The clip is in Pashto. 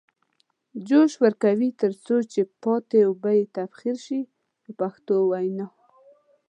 جوش ورکوي تر څو چې پاتې اوبه یې تبخیر شي په پښتو وینا.